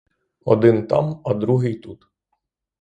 Один там, а другий тут.